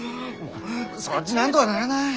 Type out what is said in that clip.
そっちなんとがならない？